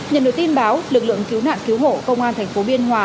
nhận được tin báo lực lượng cứu nạn cứu hộ công an thành phố biên hòa